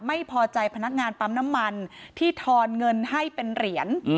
ไม่พอใจพนักงานปั๊มน้ำมันที่ทอนเงินให้เป็นเหรียญ